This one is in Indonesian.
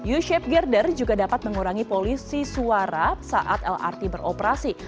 u shape girder juga dapat mengurangi polisi suara saat lrt beroperasi